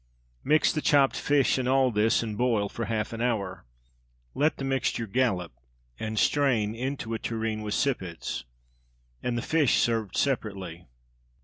Mix the chopped fish in all this, and boil for half an hour. Let the mixture "gallop" and strain into a tureen with sippets, and the fish served separately.